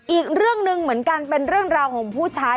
อีกเรื่องหนึ่งเหมือนกันเป็นเรื่องราวของผู้ชาย